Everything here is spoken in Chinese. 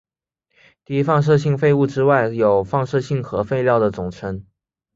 低放射性废物之外所有放射性核废料的总称。